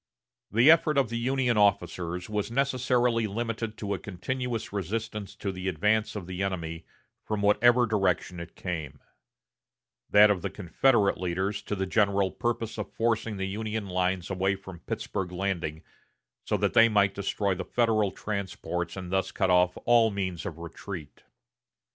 The effort of the Union officers was necessarily limited to a continuous resistance to the advance of the enemy, from whatever direction it came; that of the Confederate leaders to the general purpose of forcing the Union lines away from Pittsburg Landing so that they might destroy the Federal transports and thus cut off all means of retreat.